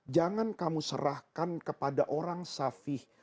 jangan kamu serahkan kepada orang safih